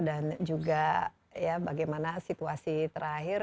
dan juga ya bagaimana situasi terakhir